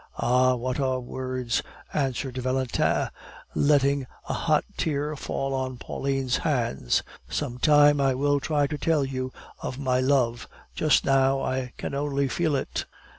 "Ah, what are words?" answered Valentin, letting a hot tear fall on Pauline's hands. "Some time I will try to tell you of my love; just now I can only feel it."